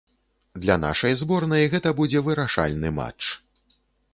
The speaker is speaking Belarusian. Для нашай зборнай гэта будзе вырашальны матч.